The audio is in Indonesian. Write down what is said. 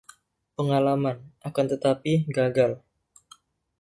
Pengalaman, akan tetapi, gagal.